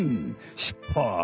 しっぱい！